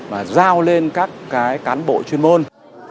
và giao lên các cái cán bộ chuyên môn